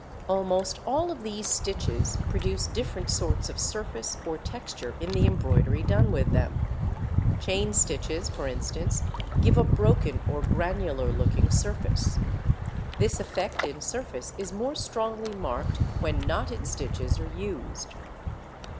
] Almost all of these stitches produce different sorts of surface or texture in the embroidery done with them. Chain stitches, for instance, give a broken or granular looking surface (Fig. 2). This effect in surface is more strongly marked when knotted stitches are used.